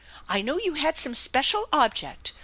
I know you had some special object.